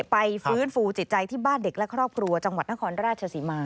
ไปฟื้นฟูจิตใจที่บ้านเด็กและครอบครัวจังหวัดนครราชศรีมา